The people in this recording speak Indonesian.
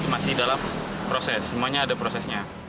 masih dalam proses semuanya ada prosesnya